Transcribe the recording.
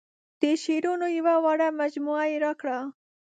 د شعرونو یوه وړه مجموعه یې راکړه.